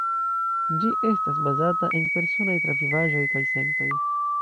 Ĝi estas bazata en personaj travivaĵoj kaj sentoj.